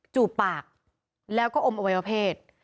จูบปากแล้วก็อมอวัยวเพศ